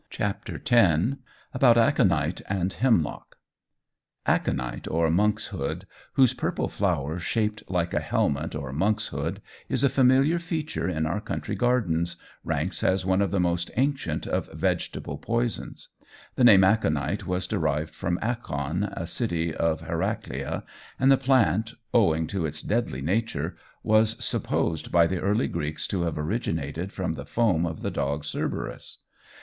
CHAPTER X ABOUT ACONITE AND HEMLOCK ACONITE, or monk's hood, whose purple flower, shaped like a helmet or monk's hood, is a familiar feature in our country gardens, ranks as one of the most ancient of vegetable poisons. The name aconite was derived from Akon, a city of Heraclea, and the plant, owing to its deadly nature, was supposed by the early Greeks to have originated from the foam of the dog Cerberus.